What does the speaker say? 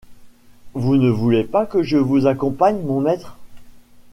Vous ne voulez pas que je vous accompagne... mon maître...